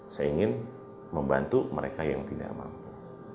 saya ingin membantu mereka yang tidak mampu